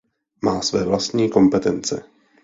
Má své vlastní kompetence.